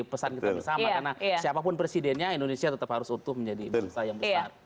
pesan kita bersama karena siapapun presidennya indonesia tetap harus utuh menjadi bangsa yang besar